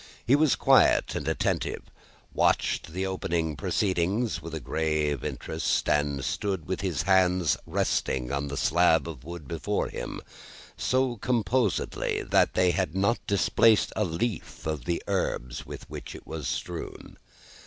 He was quiet and attentive; watched the opening proceedings with a grave interest; and stood with his hands resting on the slab of wood before him, so composedly, that they had not displaced a leaf of the herbs with which it was strewn.